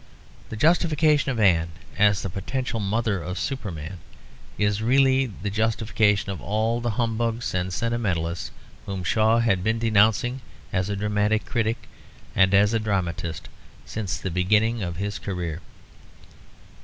The justification of Anne, as the potential mother of Superman, is really the justification of all the humbugs and sentimentalists whom Shaw had been denouncing as a dramatic critic and as a dramatist since the beginning of his career.